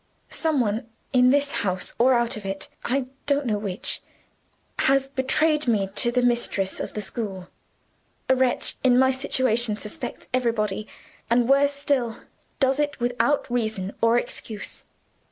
"Some one (in this house or out of it; I don't know which) has betrayed me to the mistress of the school. A wretch in my situation suspects everybody, and worse still, does it without reason or excuse.